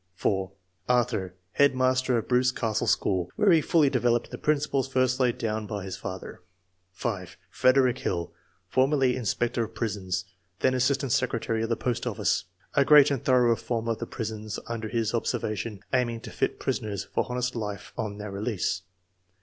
(4) Arthur, head master of Bruce Castle school, where he fully developed the principles first laid down by his father ; (5) Frederick Hill, formerly inspector of prisons, then assistant secretary of the Post ofiice. A great and thorough reformer of the prisons un der his observation, aiming to fit prisoners for honest life on their release.